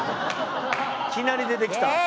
いきなり出てきた。